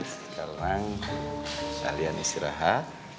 sekarang kalian istirahat